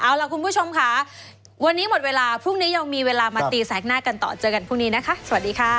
เอาล่ะคุณผู้ชมค่ะวันนี้หมดเวลาพรุ่งนี้ยังมีเวลามาตีแสกหน้ากันต่อเจอกันพรุ่งนี้นะคะสวัสดีค่ะ